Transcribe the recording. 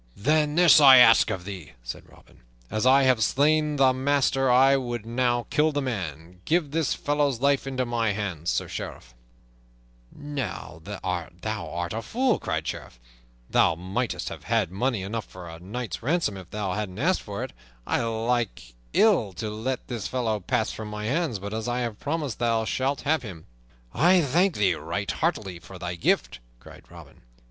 "Then this I ask of thee," said Robin. "As I have slain the master I would now kill the man. Give this fellow's life into my hands, Sir Sheriff." "Now thou art a fool!" cried the Sheriff. "Thou mightst have had money enough for a knight's ransom if thou hadst asked for it. I like ill to let this fellow pass from my hands, but as I have promised, thou shalt have him." "I thank thee right heartily for thy gift," cried Robin.